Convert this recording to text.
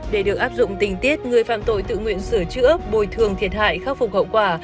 để được áp dụng tình tiết người phạm tội tự nguyện sửa chữa bồi thường thiệt hại khắc phục hậu quả